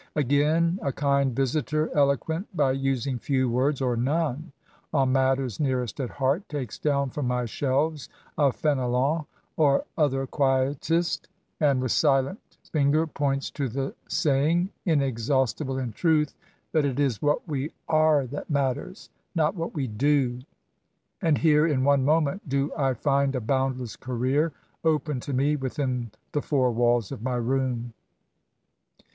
Again, a kind visitor, eloquent by using few words or none on matters nearest at heart, takes down from my shelves a Fenelon or other quietist, and SYMPATHY TO THE INVALID. 2» With silent £ager points to the saying, inexhaust ible in truth, that it is what we are that matters — not what we do ; and here, in one moment, do I find a boundless career opened to me within the four walls of my room.